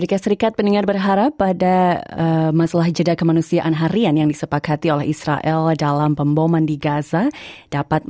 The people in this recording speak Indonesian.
anda bersama sbs bahasa indonesia